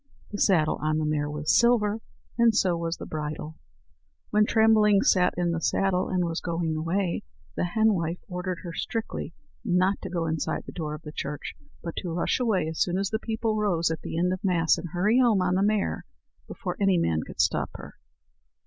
The saddle on the mare was silver, and so was the bridle. [Illustration: "TREMBLING" AT THE CHURCH DOOR] When Trembling sat in the saddle and was going away, the henwife ordered her strictly not to go inside the door of the church, but to rush away as soon as the people rose at the end of Mass, and hurry home on the mare before any man could stop her.